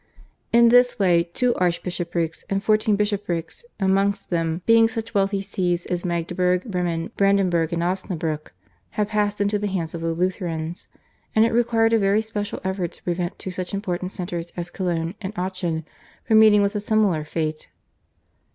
In this way two archbishoprics and fourteen bishoprics, amongst them being such wealthy Sees as Magdeburg, Bremen, Brandenburg, and Osnabruck had passed into the hands of the Lutherans, and it required a very special effort to prevent two such important centres as Cologne and Aachen from meeting with a similar fate.